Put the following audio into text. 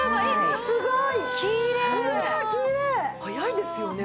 早いですよね。